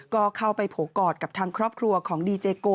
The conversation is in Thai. ก็เข้าไปโผล่กอดกับทางครอบครัวของดีเจโก